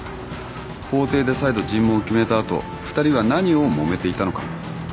法廷で再度尋問を決めた後２人は何をもめていたのか。